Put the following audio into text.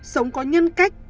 sống có nhân cách